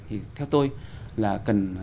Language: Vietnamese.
thì theo tôi là cần